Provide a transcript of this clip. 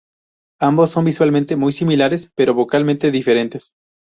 Ambos son visualmente muy similares, pero vocalmente diferentes.